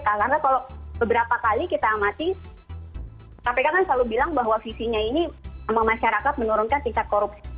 karena kalau beberapa kali kita amati kpk kan selalu bilang bahwa visinya ini sama masyarakat menurunkan tingkat korupsi